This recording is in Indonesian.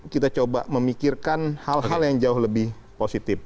kita coba memikirkan hal hal yang jauh lebih positif